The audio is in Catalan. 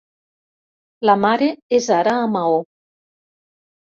La mare és ara a Maó.